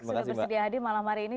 sudah bersedia hadir malam hari ini